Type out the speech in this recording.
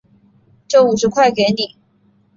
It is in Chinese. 这五十块给你